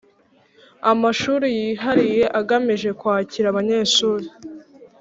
Amashuri yihariye agamije kwakira abanyeshuri